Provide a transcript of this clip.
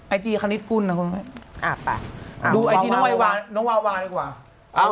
ไอจีคณิตกูลนะคุณพี่ดูไอจีน้องวาววาดีกว่า